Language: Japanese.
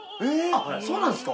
あっそうなんですか。